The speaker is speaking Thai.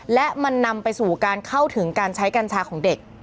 และมันนำไปสู่การเข้าถึงการใช้กัญชาของเด็ก